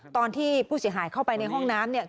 ตอนที่ผู้เสียหายเข้าไปในห้องน้ำเนี่ย